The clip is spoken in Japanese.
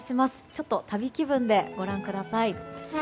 ちょっと旅気分でご覧ください。